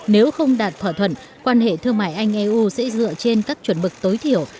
nếu không đạt thỏa thuận quan hệ thương mại anh eu sẽ dựa trên các chuẩn mực tối thiểu